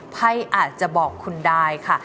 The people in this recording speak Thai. ไพ่อาจจะบอกคุณได้ค่ะ